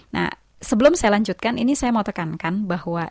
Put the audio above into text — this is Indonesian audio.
nah sebelum saya lanjutkan ini saya mau tekankan bahwa